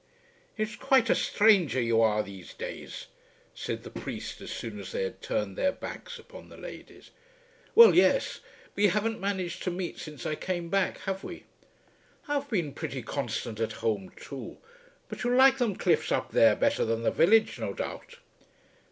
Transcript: "It's quite a sthranger you are, these days," said the priest, as soon as they had turned their backs upon the ladies. "Well; yes. We haven't managed to meet since I came back; have we?" "I've been pretty constant at home, too. But you like them cliffs up there, better than the village no doubt."